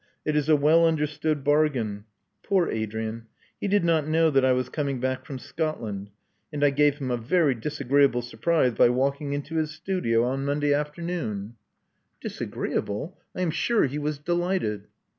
It is a well understood bargain. Poor Adrian ! He did not know that I was coming back from Scotland; and J gave him a very disagreeable surprise by walking int his studio on Monday afternoon." 3<5 Love Among the Artists 31 "Disagreeable! I am sure he was delighted."